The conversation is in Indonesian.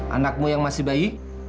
anakmu yang masih bayi